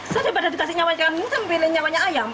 saya daripada dikasih nyawa saya memilih nyawanya ayam